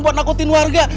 buat nakutin warga